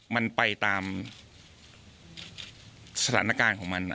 มันไปตามสถานการณ์ของมัน